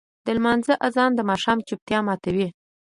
د لمونځ اذان د ماښام چوپتیا ماتوي.